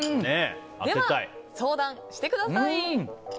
では、相談してください。